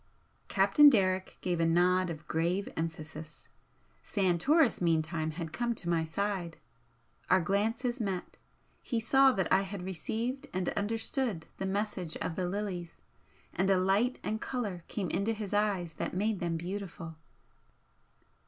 Captain Derrick gave a nod of grave emphasis. Santoris meantime had come to my side. Our glances met, he saw that I had received and understood the message of the lilies, and a light and colour came into his eyes that made them beautiful.